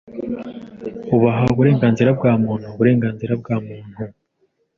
ubaha uburenganzira bwa muntu Uburenganzira bwa muntu